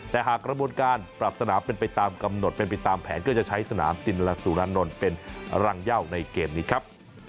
แต่หากกระบวนการปรับสนามเป็นไปตามกำหนดเป็นไปตามแผนก็จะใช้สนามตินลสุรานนท์เป็นรังเย่าในเกมนี้ครับ